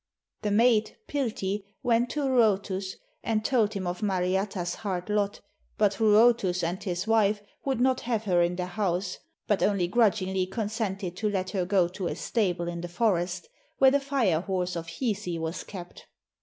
The maid, Piltti, went to Ruotus and told him of Mariatta's hard lot, but Ruotus and his wife would not have her in their house, but only grudgingly consented to let her go to a stable in the forest, where the Fire horse of Hisi was kept.